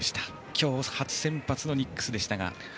今日、初先発のニックスでしたが。